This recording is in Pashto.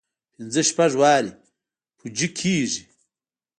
پنځه شپږ وارې پوجي کېږي.